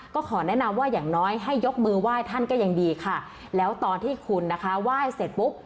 ก็ขอแนะนำว่าอย่างน้อยให้ยกมือไหว้ท่านก็ยังดีค่ะแล้วตอนที่คุณนะคะไหว้เสร็จปุ๊บ